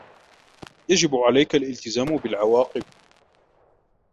يجب عليك الالتزام بالعواقب.